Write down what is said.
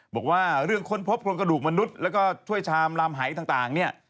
บอกว่าเรื่องค้นพบโครงกระดูกมนุษย์แล้วก็ถ้วยชามลำหายต่างเนี่ย